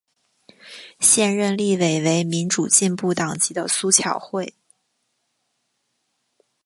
现任立委为民主进步党籍的苏巧慧。